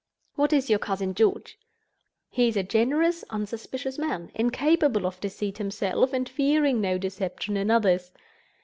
What is your cousin George? He is a generous, unsuspicious man; incapable of deceit himself, and fearing no deception in others.